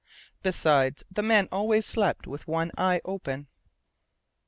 Besides, the men always slept with one eye open.